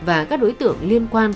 và các đối tưởng liên quan